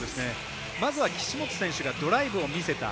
まずは岸本選手がドライブを見せた。